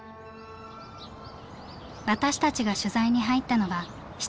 私たちが取材に入ったのは７月。